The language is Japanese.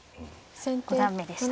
五段目でしたね。